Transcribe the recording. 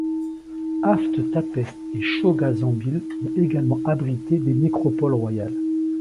Haft Tappeh et Chogha Zanbil ont également abrité des nécropoles royales.